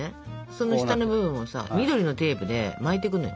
その下部分をさ緑のテープで巻いてくのよ。